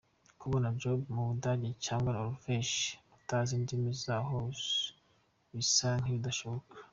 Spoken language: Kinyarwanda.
Kubona job mu budage cg Norvege utazi indimi zaho bisa nkibidashoboka.